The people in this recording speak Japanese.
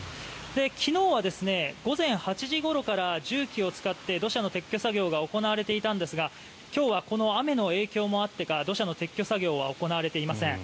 昨日は午前８時ごろから重機を使って土砂の撤去作業が行われていたんですが今日はこの雨の影響もあってか土砂の撤去作業は行われていません。